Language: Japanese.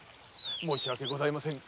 申し訳ございません。